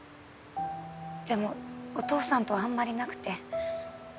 でもお父さんとはあんまりなくて。